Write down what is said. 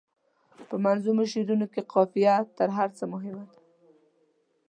په منظومو شعرونو کې قافیه تر هر څه مهمه ده.